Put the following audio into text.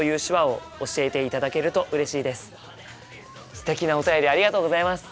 すてきなお便りありがとうございます。